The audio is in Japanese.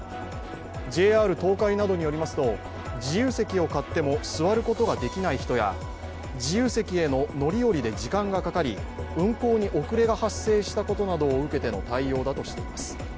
ＪＲ東海などによりますと、自由席を買っても座ることができない人や自由席への乗り降りで時間がかかり運行に遅れが発生したことなどを受けての対応だとしています。